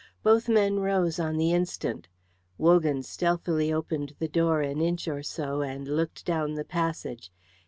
Both men rose on the instant; Wogan stealthily opened the door an inch or so and looked down the passage.